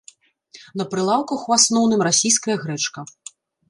На прылаўках у асноўным расійская грэчка.